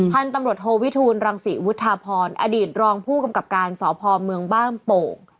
พันธุ์ตำรวจโทวิทูลรังศรีวุฒาพรอดีตรองผู้กำกับการสพเมืองบ้านโป่ง